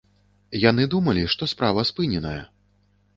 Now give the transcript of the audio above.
Яны думалі, што справа спыненая.